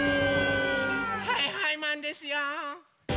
はいはいマンですよ！